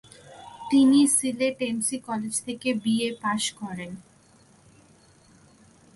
তিনি Sylhet MC college থেকে BA pass করেন।